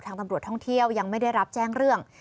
ตำรวจท่องเที่ยวยังไม่ได้รับแจ้งเรื่อง